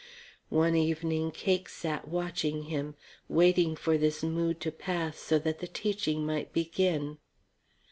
One evening Cake sat watching him, waiting for this mood to pass so that the teaching might begin.